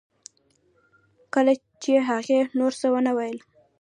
کله چې هغې نور څه ونه ویل